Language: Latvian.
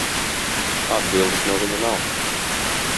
Atbildes no viņa nav.